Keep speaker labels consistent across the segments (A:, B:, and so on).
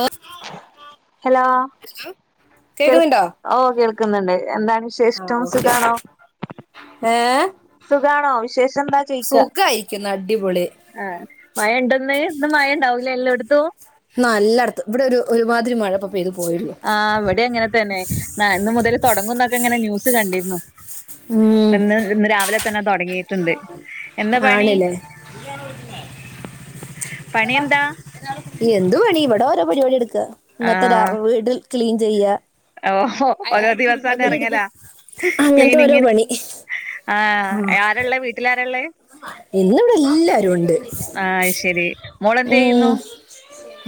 A: ഓഹ്.
B: Hello. കേൾ
A: കേക്കുന്നുണ്ടോ
B: ഓഹ് കേൾക്ക്ന്ന്ണ്ട് എന്താണ്
A: ആഹ്
B: വിശേഷ്ടം
A: ഓക്കെ
B: സുഖാണോ
A: ഏ
B: സുഖാണോ വിശേഷം എന്താ ചോയിക്ക
A: സുഖായിരിക്കുന്നു അടിപൊളി
B: ആഹ് മഴണ്ടോന്ന് ഇന്ന് മഴ ഇണ്ടാവുലേ എല്ലോട്ത്തും
A: ന്നല്ലാട്ത്ത് ഇവടെ ഒര് ഒരുമാതിരി മഴപ്പൊ പെയ്ത് പോയൊള്ളൂ
B: ആഹ് ഇവടിം അങ്ങനെത്തന്നെ ആഹ് ഇന്ന് മുതല് തൊടങ്ങുന്നൊക്കെ ഇങ്ങനെ ന്യൂസ് കണ്ടിരുന്നു
A: ഉം
B: ഇപ്പന്ന് ഇന്ന് രാവിലെ തന്നെ തൊടങ്ങി് ട്ട്ണ്ട് എന്താ പണി
A: ആണില്ലേ
B: പണി എന്താ
A: എന്തു പണി ഇവിടെ ഓരോ പരിപാടിട്ക്കാ ഇന്നത്തെ രാ
B: ആഹ്
A: വീട് ക്ലീൻ ചെയ്യ
B: ഓഹോ ഓരോ ദിവസാണ്ട്
A: ഒന്നിലെടുക്ക്
B: എറങ്ങലാ
A: അങ്ങനത്തെ ഓരോ
B: ക്ലീനിങ്ങ്ന്
A: പണി
B: ആഹ് ആരള്ളേ വീട്ടിലാരള്ളേ
A: ഇന്നിവിടെ എല്ലാരും ഉണ്ട്
B: ആഹ് അത് ശരി മോളെന്ത്
A: ഉം
B: ചെയ്യുന്നു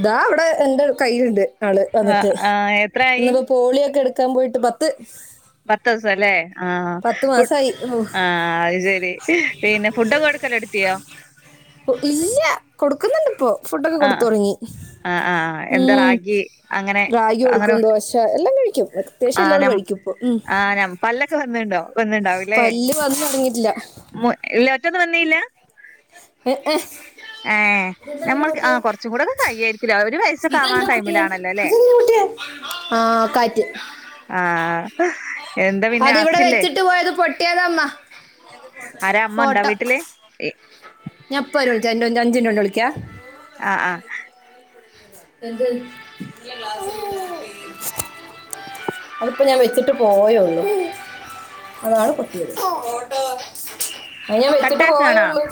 A: ഇതാ ഇവിടെ എന്റെ കയ്യില്ണ്ട് ആള്
B: ആഹ്
A: വന്ന്ട്ട്
B: ആഹ് എത്രായി
A: ഇന്ന്പ്പോ പോളിയൊക്കെ എടുക്കാൻ പോയിട്ട് പത്ത്
B: പത്ത്സം ലേ ആഹ്
A: പത്ത്
B: കു
A: മാസായി
B: ആഹ് അത് ശെരി പിന്നെ ഫുഡൊക്കെ കൊട്ക്കലൊട്ത്ത്യോ
A: ഇല്ല കൊട്ക്കുന്നുണ്ട് ഇപ്പോ ഫുഡൊക്കെ കൊട്ത്ത്
B: ആഹ്
A: തൊടങ്ങി
B: ആഹ് ആഹ് എന്താ
A: ഉം
B: റാഗി അങ്ങനെ
A: റാഗി
B: അങ്ങനെ
A: കൊട്ക്കും ദോശ എല്ലാം കഴിക്ക്യും അത്യാശ്യ എല്ലാ
B: ആഹ്
A: അവള്
B: നം
A: കഴിക്കും ഇപ്പൊ ഉം
B: ആഹ് നം പല്ലൊക്കെ വന്ന്ണ്ടോ വന്ന്ണ്ടാവും ലേ
A: പല്ല് വന്ന് തുടങ്ങിയിട്ടില്ല
B: മു ഇല്ല ഒറ്റൊന്നും വന്നില്ല
A: ഏഹ് ഏഹ്
B: ഏഹ്
A: ഇതെന്താ വീണ്
B: നമ്മൾക്ക്
A: പൊട്ട്യേ
B: ആഹ് കൊറച്ചും കൂടൊക്കെ കഴിയായിരിക്കുംല്ലേ ഒരു വയസ്സൊക്കെ ആവാൻ
A: ഇതെന്താ പൊട്ട്യേ
B: ടൈമിലാണല്ലോ ല്ലേ
A: ആഹ് കാറ്റ്
B: ആഹ് എന്താ പിന്നെ ഹസ്സ്‌ ഇല്ലേ
A: നമ്മ [inaudible]
B: ആരാ അമ്മണ്ടോ വീട്ടില്
A: ഞാ ഇപ്പേരും ഞ്ച് അഞ്ച്നിറ്റോണ്ട് വിളിക്കാം
B: ആഹ് ആഹ്
A: എന്ത് [unintelligible] അതിപ്പോ ഞാൻ വെച്ചിട്ട് പോയൊള്ളൂ അതാണ് പൊട്ടിയത് അത് ഞാൻ വെച്ചിട്ട്
B: കട്ടാക്കാണോ
A: പോയൊള്ളു